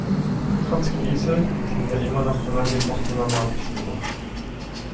Trotz Krise sind wir immer noch unangefochtener Marktführer.